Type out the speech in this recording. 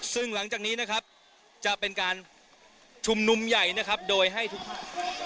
ซึ่งหลังจากนี้นะครับจะเป็นการชุมนุมใหญ่นะครับโดยให้ทุกภาค